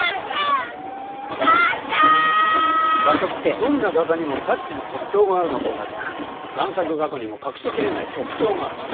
どんな画家にもタッチの特徴があるのと同じく贋作画家にも隠しきれない特徴がある。